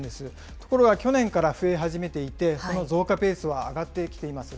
ところが去年から増え始めていて、その増加ペースは上がってきています。